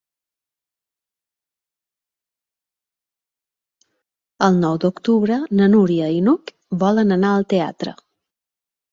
El nou d'octubre na Núria i n'Hug volen anar al teatre.